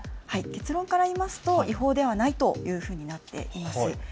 結論から言いますと違法ではないというふうになっています。